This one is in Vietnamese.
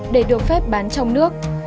để được phép bán trong nước